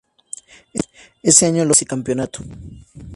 Ese año logró el vice-campeonato.